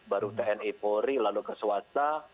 baru tni polri lalu ke swasta